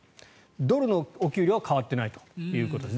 ドルのお給料は変わっていないということです。